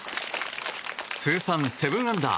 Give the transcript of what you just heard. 通算７アンダー。